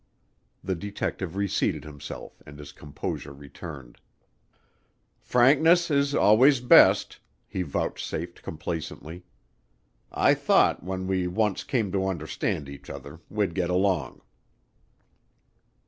The detective reseated himself and his composure returned. "Frankness is always best," he vouchsafed complacently. "I thought when we once came to understand each other, we'd get along."